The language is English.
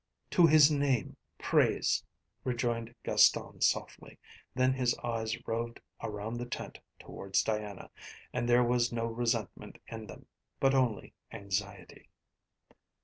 "To his name praise!" rejoined Gaston softly, then his eyes roved around the tent towards Diana, and there was no resentment in them, but only anxiety.